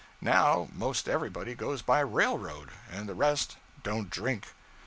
'Now most everybody goes by railroad, and the rest don't drink.'